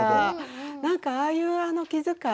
なんかああいう気遣い